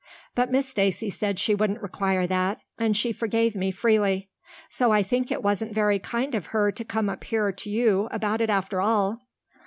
But Miss Stacy said she wouldn't require that, and she forgave me freely. So I think it wasn't very kind of her to come up here to you about it after all."